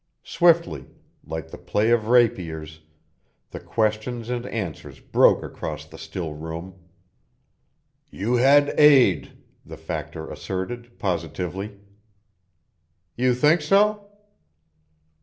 Swiftly, like the play of rapiers, the questions and answers broke across the still room. "You had aid," the Factor asserted, positively. "You think so?"